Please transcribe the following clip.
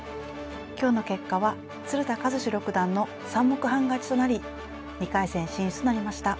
今日の結果は鶴田和志六段の３目半勝ちとなり２回戦進出となりました。